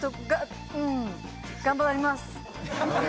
頑張ります。